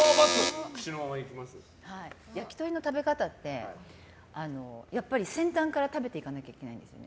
焼き鳥の食べ方って先端から食べていかなきゃいけないんですよ。